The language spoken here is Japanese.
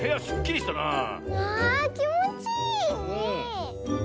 あきもちいいね。